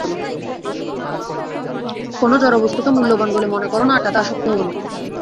কোন জড়বস্তুকে মূল্যবান বলে মনে কর না, আর তাতে আসক্ত হয়ো না।